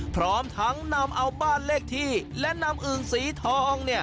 พร้อมทั้งนำเอาบ้านเลขที่และนำอึ่งสีทอง